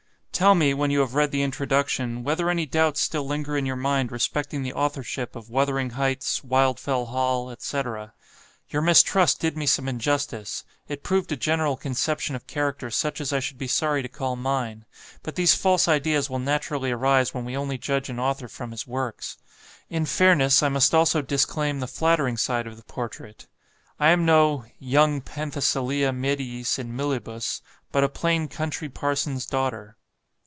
"Tell me, when you have read the introduction, whether any doubts still linger in your mind respecting the authorship of 'Wuthering Heights,' 'Wildfell Hall,' etc. Your mistrust did me some injustice; it proved a general conception of character such as I should be sorry to call mine; but these false ideas will naturally arise when we only judge an author from his works. In fairness, I must also disclaim the flattering side of the portrait. I am no 'young Penthesilea mediis in millibus,' but a plain country parson's daughter.